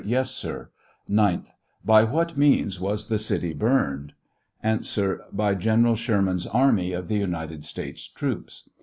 Yes, sir. 9th. By what means was the city burned ? A. By General Sherman's army of United States troops.